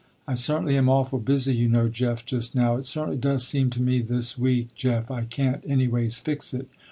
I certainly am awful busy you know Jeff just now. It certainly does seem to me this week Jeff, I can't anyways fix it.